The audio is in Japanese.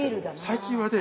最近はね